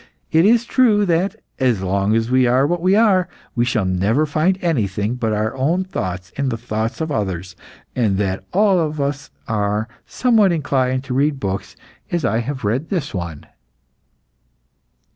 It is true that, as long as we are what we are, we shall never find anything but our own thoughts in the thoughts of others, and that all of us are somewhat inclined to read books as I have read this one."